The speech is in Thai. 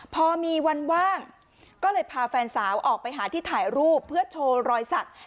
พอมีวันว่างก็เลยพาแฟนสาวออกไปหาที่ถ่ายรูปเพื่อโชว์รอยสัก